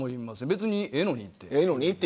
別にええのにって。